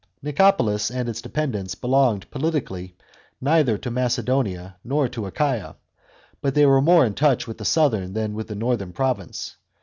Nicopolis and its dependencies belonged politically neither to Macedonia nor to Achaia ; but they were more in touch with the southern than with the northern province.